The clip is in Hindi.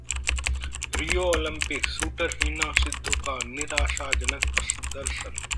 Rio Olympic: shooter Heena Sidhu का निराशाजनक प्रदर्शन